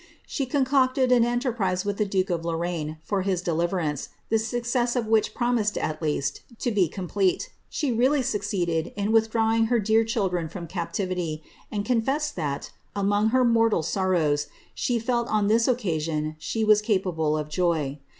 She concocted an entcrpri:»e with the duke of Lorraine for his ds liverance, the ftucccits of which ])runii!ied, at leu^t, to be conqdeie. She really fcucct'eded in withdrawing her dear children from captivity, and confessed thst, among her mortal sorrow:*. !*hc felt on this ot'cas^ion she was capable of joy.